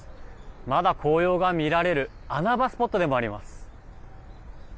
まだ紅葉が見られる穴場スポットでもあります。